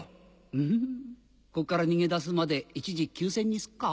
ムフフここから逃げ出すまで一時休戦にすっか？